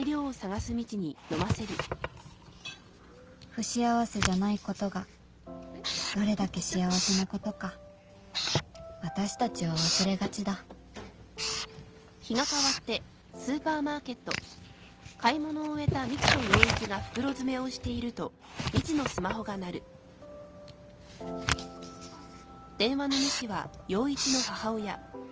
不幸せじゃないことがどれだけ幸せなことか私たちは忘れがちだお母さんから。